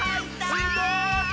すごい。